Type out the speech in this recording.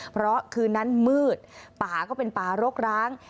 เพราะคืนนั้นมืดป่าก็เป็นป่ารกร้าง